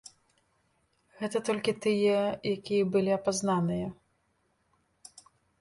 Гэта толькі тыя, якія былі апазнаныя.